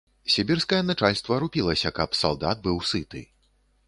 Сібірскае начальства рупілася, каб салдат быў сыты.